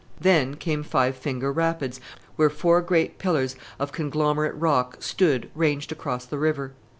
Then came Five Finger Rapids, where four great pillars of conglomerate rock stood ranged across the river.